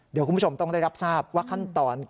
เดี๋ยวคุณผู้ชมต้องได้รับทราบว่าขั้นตอน